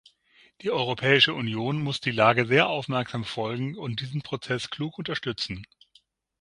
Die Europäische Union muss die Lage sehr aufmerksam verfolgen und diesen Prozess klug unterstützen.